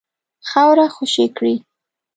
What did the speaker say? خاوره خوشي کړي.